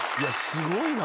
すごいな。